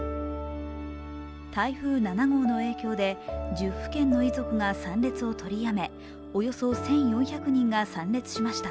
台風７号の影響で１０府県の遺族が参列を取りやめおよそ１４００人が参列しました。